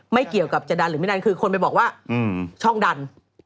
ไม่เกี่ยวกับจะดันหรือไม่ดันคือคนไปบอกว่าช่องดัน